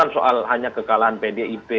soal hanya kekalahan pdip